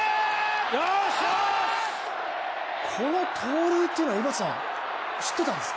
この盗塁というのは知ってたんですか？